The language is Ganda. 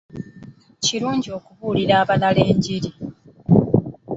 Kirungi okubuulira abalala enjiri.